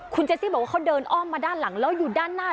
คุณเจซี่บอกว่าเขาเดินอ้อมมาด้านหลังแล้วอยู่ด้านหน้า